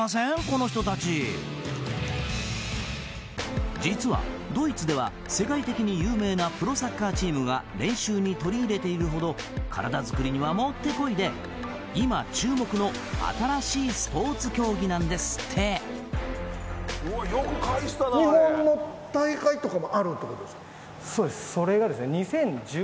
この人達実はドイツでは世界的に有名なプロサッカーチームが練習に取り入れているほど体作りにはもってこいで今注目の新しいスポーツ競技なんですってそうですそれがですね